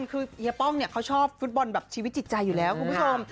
คือเฮียป้องเนี่ยเขาชอบฟุตบอลแบบชีวิตจิตใจอยู่แล้วคุณผู้ชม